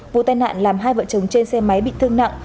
vụ tai nạn làm hai vợ chồng trên xe máy bị thương nặng